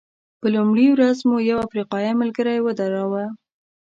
په لومړۍ ورځ مو یو افریقایي ملګری ودراوه.